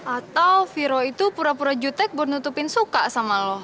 atau viro itu pura pura jutek buat nutupin suka sama lo